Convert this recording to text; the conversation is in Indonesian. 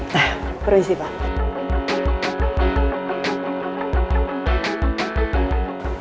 nah permisi pak